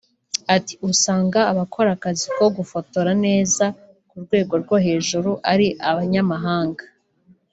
Ati “Usanga abakora akazi ko gufotora neza ku rwego rwo hejuru ari abanyamahanga